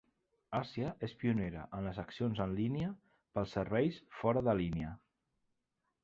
Asia és pionera en les accions en línia pels serveis fora de línia.